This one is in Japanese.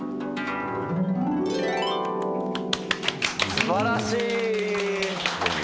すばらしい。